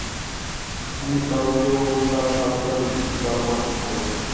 আমি কাউকেও তার সাধ্যাতীত ভার অর্পণ করি না।